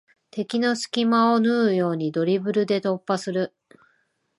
敵の隙間を縫うようにドリブルで突破する